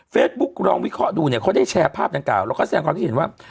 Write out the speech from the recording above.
ลองวิเคราะห์ดูเนี่ยเขาได้แชร์ภาพดังกล่าวแล้วก็แสดงความคิดเห็นว่า